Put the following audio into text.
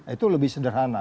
itu lebih sederhana